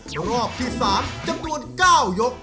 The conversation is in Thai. รอบที่๓จำนวน๙ยก